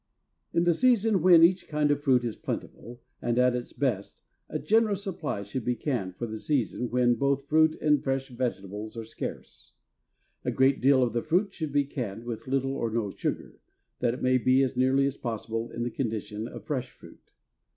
In the season when each kind of fruit is plentiful and at its best a generous supply should be canned for the season when both fruit and fresh vegetables are scarce. A great deal of the fruit should be canned with little or no sugar, that it may be as nearly as possible in the condition of fresh fruit.